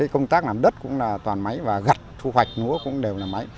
công tác làm đất cũng là toàn máy và gặt thu hoạch núa cũng đều là máy